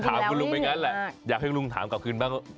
ถามคุณลุงไปงั้นแหละอยากให้ลุงถามกลับคืนบ้าง